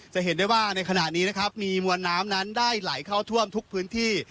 จะเห็นได้ว่าในขณะนี้นะครับมีมวลน้ำนั้นได้ไหลเข้าท่วมทุกพื้นที่